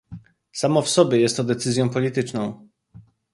Samo w sobie jest to decyzją polityczną